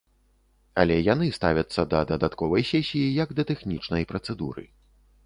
Але яны ставяцца да дадатковай сесіі як да тэхнічнай працэдуры.